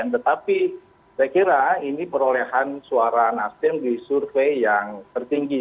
tetapi saya kira ini perolehan suara nasdem di survei yang tertinggi